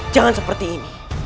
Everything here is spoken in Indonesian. jangan seperti ini